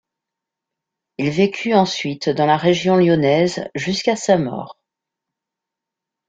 Il vécut ensuite dans la région lyonnaise jusqu'à sa mort.